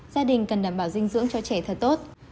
gia đình cần đảm bảo dinh dưỡng cho trẻ thật tốt